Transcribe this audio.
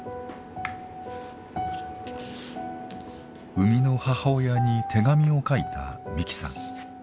生みの母親に手紙を書いた美希さん。